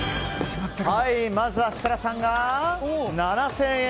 まずは設楽さんが７０００円。